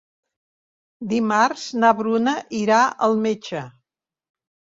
Dimarts na Bruna irà al metge.